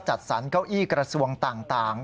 สร้างเก้าอี้กระทรวงต่าง